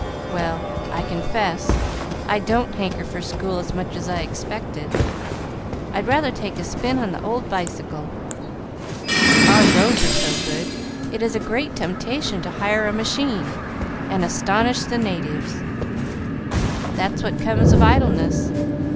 "Well, I confess I don't hanker for school as much as I expected. I'd rather take a spin on the old bicycle. Our roads are so good, it is a great temptation to hire a machine, and astonish the natives. That's what comes of idleness.